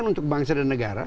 untuk bangsa dan negara